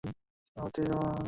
সকলেই মৃত্যুমুখে পতিত হয়েছিল।